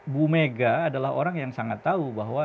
bumika adalah orang yang sangat tahu bahwa